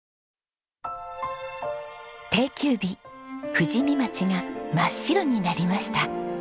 富士見町が真っ白になりました。